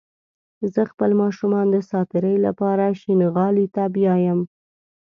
زه خپل ماشومان د ساعتيرى لپاره شينغالي ته بيايم